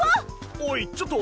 おいちょっと。